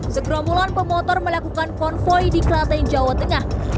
segerombolan pemotor melakukan konvoy di klaten jawa tengah